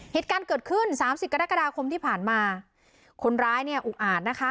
เหตุการณ์เกิดขึ้นสามสิบกรกฎาคมที่ผ่านมาคนร้ายเนี่ยอุกอาจนะคะ